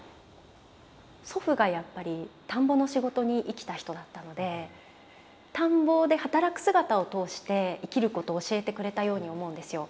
祖父がやっぱり田んぼの仕事に生きた人だったので田んぼで働く姿を通して生きることを教えてくれたように思うんですよ。